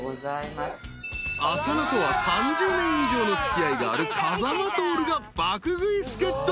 ［浅野とは３０年以上の付き合いがある風間トオルが爆食い助っ人に］